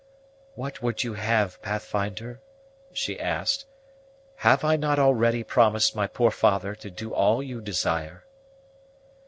"What would you have, Pathfinder?" she asked; "Have I not already promised my poor father to do all you desire?"